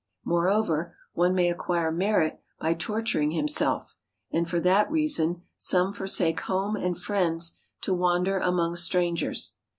Moreover, one may acquire merit by torturing himself, and for that reason some forsake home and friends to wander among strangers.